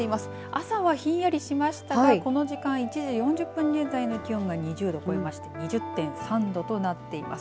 朝はひんやりしましたがこの時間１時４０分現在の気温が２０度超えまして２０．３度となっています。